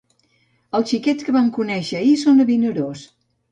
Els xiquets que vam conèixer ahir són de Vinaròs